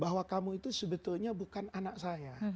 bahwa kamu itu sebetulnya bukan anak saya